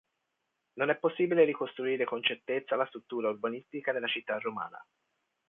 Non è possibile ricostruire con certezza la struttura urbanistica della città romana.